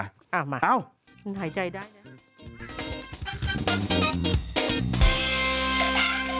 เอ้ามาถึงหายใจได้นะ